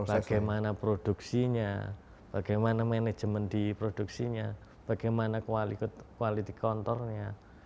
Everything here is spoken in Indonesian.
bagaimana produksinya bagaimana manajemen di produksinya bagaimana kualitas kontornya